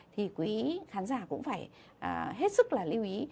thì quý khán giả cũng phải hết sức là lưu ý